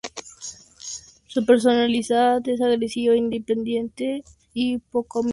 Su personalidad es agresiva, independiente y poco amigable.